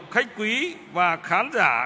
khách quý và khán giả